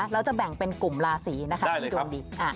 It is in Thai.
เราจะแบ่งเป็นกลุ่มราศีนะคะที่ดวงดี